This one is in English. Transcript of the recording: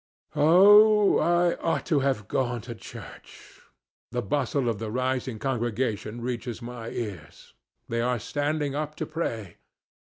Oh, I ought to have gone to church! The bustle of the rising congregation reaches my ears. They are standing up to pray.